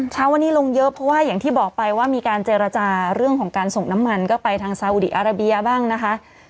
เช้าวันนี้ลงเยอะเพราะว่าอย่างที่บอกไปว่ามีการเจรจาเรื่องของการส่งน้ำมันก็ไปทางซาอุดีอาราเบียบ้างนะคะ